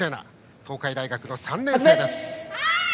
東海大学３年生です。